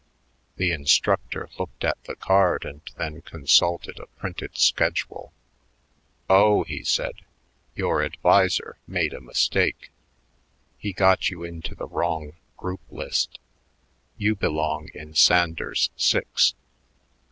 The instructor looked at the card and then consulted a printed schedule. "Oh," he said, "your adviser made a mistake. He got you into the wrong group list. You belong in Sanders Six."